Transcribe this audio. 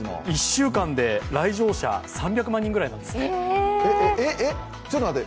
１週間で来場者３００万人くらいなんですって。